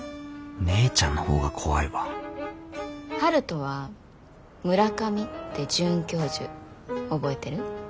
姉ちゃんのほうが怖いわ春風は村上って准教授覚えてる？